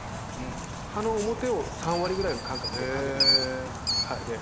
葉の表を３割ぐらいの感覚でかけていきます。